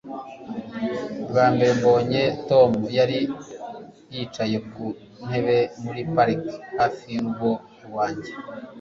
bwa mbere mbonye tom, yari yicaye ku ntebe muri parike hafi y'urugo rwanjye